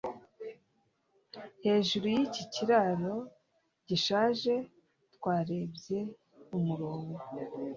hejuru yiki kiraro gishaje twarebye umurongo